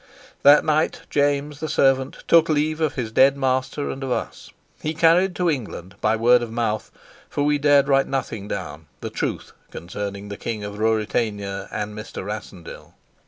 That night James, the servant, took leave of his dead master and of us. He carried to England by word of mouth for we dared write nothing down the truth concerning the King of Ruritania and Mr. Rassendyll.